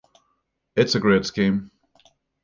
It's a great scheme.